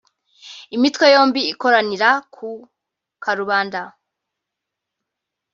lmitwe yombi ikoranira ku karubanda